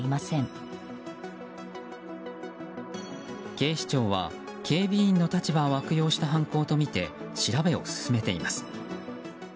警視庁は警備員の立場を悪用した犯行とみて調べを進めています。